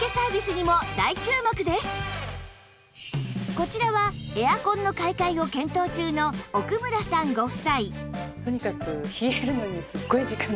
こちらはエアコンの買い替えを検討中の奥村さんご夫妻